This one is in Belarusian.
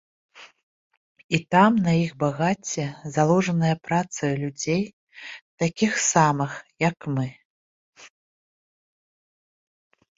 І там на іх багацце, заложанае працаю людзей, такіх самых, як мы.